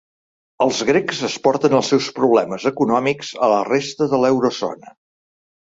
Els grecs exporten els seus problemes econòmics a la resta de l'Eurozona